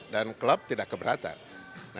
dan klub tidak keberatan